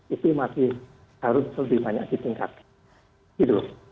itu masih harus lebih banyak ditingkatkan